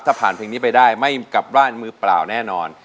ถ้าผ่านเพลงนี้ไปได้ไม่กลับบ้านมือเปล่าแน่นอน